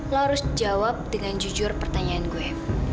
lo harus jawab dengan jujur pertanyaan gue